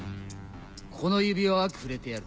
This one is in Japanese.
この指輪はくれてやる。